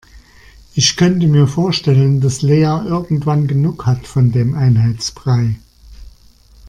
Ich könnte mir vorstellen, dass Lea irgendwann genug hat von dem Einheitsbrei.